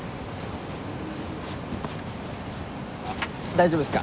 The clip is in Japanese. あっ大丈夫ですか？